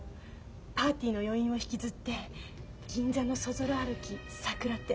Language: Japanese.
パーティーの余韻を引きずって銀座のそぞろ歩きさくら亭。